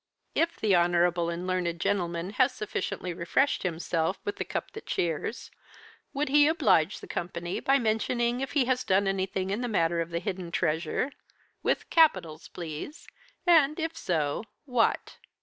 "If the honourable and learned gentleman has sufficiently refreshed himself with the cup that cheers, would he oblige the company by mentioning if he has done anything in the matter of the Hidden Treasure with capitals please! and, if so, what?"